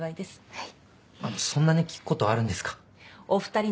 はい。